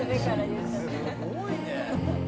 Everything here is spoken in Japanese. すごいね！